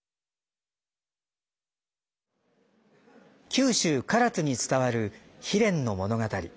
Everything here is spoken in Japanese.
九州・唐津に伝わる悲恋の物語。